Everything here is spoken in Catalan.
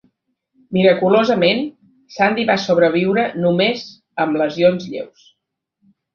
Miraculosament, Zandi va sobreviure només amb lesions lleus.